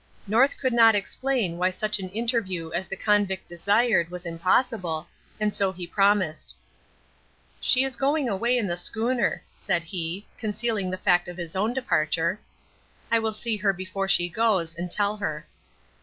North could not explain why such an interview as the convict desired was impossible, and so he promised. "She is going away in the schooner," said he, concealing the fact of his own departure. "I will see her before she goes, and tell her."